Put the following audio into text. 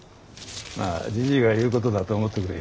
まあじじいが言うことだと思ってくれよ。